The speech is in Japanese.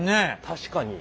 確かに。